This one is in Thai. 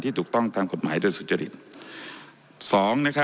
ที่ถูกต้องทางกฎหมายด้วยสุจริง